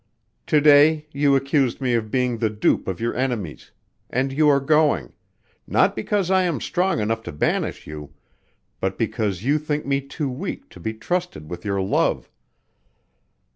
To day you accused me of being the dupe of your enemies and you are going not because I am strong enough to banish you, but because you think me too weak to be trusted with your love.